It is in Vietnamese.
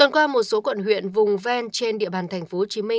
qua một số quận huyện vùng ven trên địa bàn tp hcm